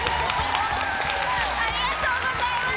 ありがとうございます！